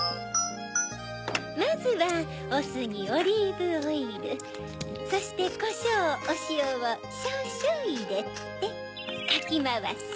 まずはおすにオリーブオイルそしてこしょうおしおをしょうしょういれてかきまわす。